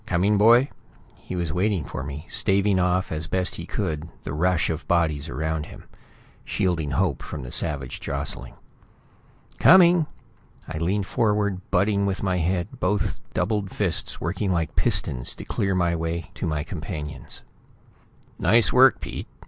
"Coming, boy?" He was waiting for me, staving off as best he could the rush of bodies around him; shielding Hope from the savage jostling. "Coming!" I leaned forward, butting with my head, both doubled fists working like pistons to clear a way to my companions. "Nice work, Pete!"